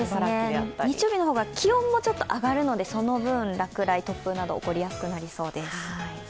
日曜日の方が気温もちょっと上がるので落雷、突風など起こりやすくなりそうです。